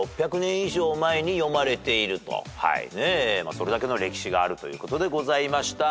それだけの歴史があるということでございました。